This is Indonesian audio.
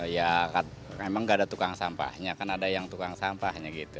ya memang nggak ada tukang sampahnya kan ada yang tukang sampahnya gitu